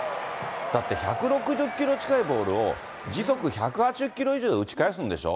だって１６０キロ近いボールを、時速１８０キロ以上で打ち返すんでしょ？